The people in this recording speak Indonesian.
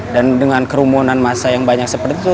dan dengan kerumunan masa yang banyak seperti itu